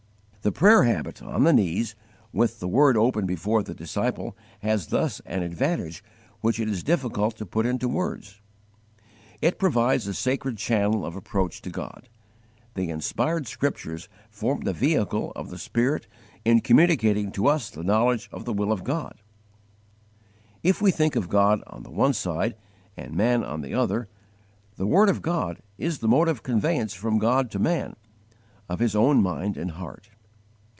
The prayer habit, on the knees, with the Word open before the disciple, has thus an advantage which it is difficult to put into words: It provides a sacred channel of approach to God. The inspired Scriptures form the vehicle of the Spirit in communicating to us the knowledge of the will of God. If we think of God on the one side and man on the other, the word of God is the mode of conveyance from God to man, of His own mind and heart.